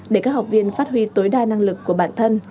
để các học viên phát huy tối đa năng lực của bản thân